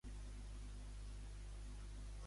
I què ha assegurat a continuació Colau?